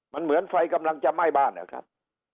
มันเหมือนไฟกำลังจะไหม้บ้านนะครับ